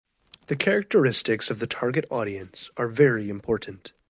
The characteristics of the target audience are very important.